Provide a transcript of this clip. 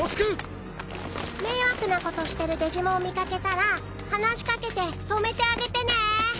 迷惑なことしてるデジモン見掛けたら話し掛けて止めてあげてね。